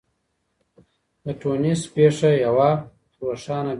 د ټونس پېښه يوه روښانه بېلګه وه.